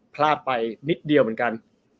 พลาดไปนิดเดียวเหมือนกัน